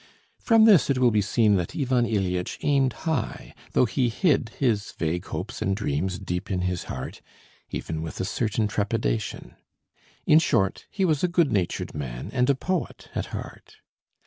From this it will be seen that Ivan Ilyitch aimed high, though he hid his vague hopes and dreams deep in his heart, even with a certain trepidation. In short, he was a good natured man and a poet at heart.